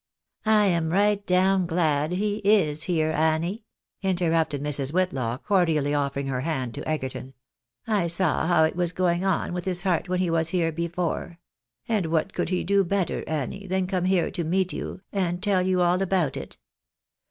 "" I am right down glad he is here, Annie," interrupted Mrs. Whitlaw, cordially offering her hand to Egerton. " I saw how it was going on with his heart when he was here before. And what could he do better, Annie, than come here to meet you, and tell you all about it